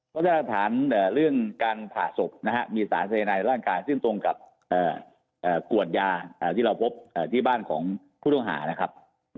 พัฒนาฐานเรื่องการผ่าศพมีสารสายนายร่างกายซึ่งตรงกับขวดยาที่เราพบที่บ้านของผู้ต้องหานะครับ